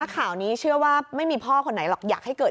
ข่าวนี้เชื่อว่าไม่มีพ่อคนไหนหรอกอยากให้เกิด